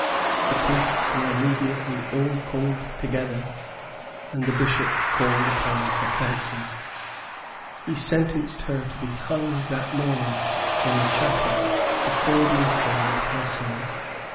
The priests were immediately all called together, and the Bishop called upon for counsel. He sentenced her to be hung that morning in the chapel before the assembled household.